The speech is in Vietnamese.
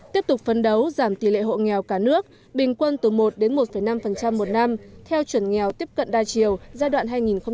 tiếp tục phấn đấu giảm tỷ lệ hộ nghèo cả nước bình quân từ một đến một năm một năm theo chuẩn nghèo tiếp cận đa chiều giai đoạn hai nghìn hai mươi một hai nghìn hai mươi năm